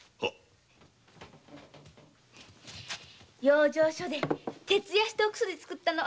養生所で徹夜してお薬を作ったの。